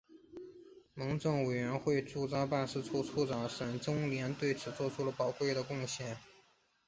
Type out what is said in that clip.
蒙藏委员会驻藏办事处处长沈宗濂对此作出了宝贵的贡献。